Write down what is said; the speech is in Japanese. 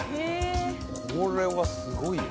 これはすごいよ。